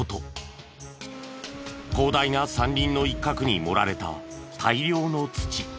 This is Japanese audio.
広大な山林の一角に盛られた大量の土。